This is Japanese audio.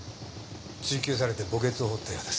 追及されて墓穴を掘ったようです。